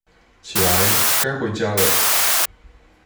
起來，該回家了